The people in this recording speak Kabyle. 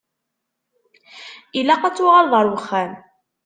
Ilaq ad tuɣaleḍ ar wexxam.